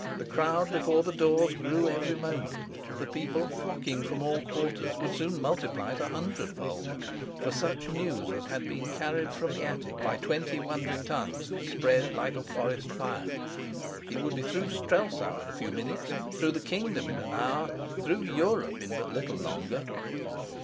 The crowd before the doors grew every moment; the people flocking from all quarters would soon multiply it a hundred fold; for such news as had been carried from the attic by twenty wondering tongues spreads like a forest fire. It would be through Strelsau in a few minutes, through the kingdom in an hour, through Europe in but little longer.